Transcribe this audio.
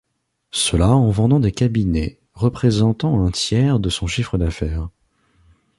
Cela en vendant des cabinets représentant un tiers de son chiffre d'affaires.